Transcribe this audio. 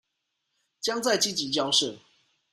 將再積極交涉